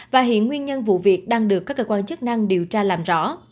và hiện nguyên nhân vụ việc đang được các cơ quan chức năng điều tra làm rõ